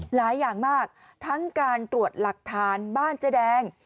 หลายอย่างมากทั้งการตรวจหลักฐานบ้านเจ๊แดง